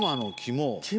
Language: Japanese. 肝？